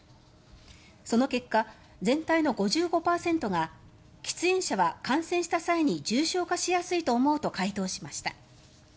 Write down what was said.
その結果、全体の５５％が喫煙者は感染した際に重症化しやすいと思うと回答しました。